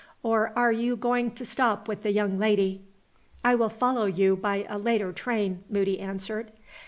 or are you going to stop with the young lady?" "I will follow you by a later train," Moody answered.